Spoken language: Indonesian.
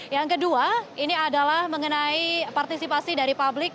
yang kedua ini adalah mengenai partisipasi dari publik